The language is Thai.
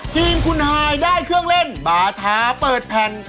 ทีมคุณฮายได้เครื่องเล่นบาทาเปิดแผ่น